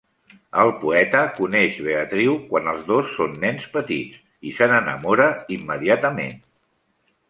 El poeta coneix Beatriu quan els dos són nens petits i se n'enamora immediatament.